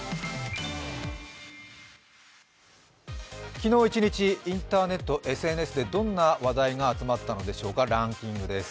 昨日一日インターネット、ＳＮＳでどんな話題が集まったのでしょうか、ランキングです。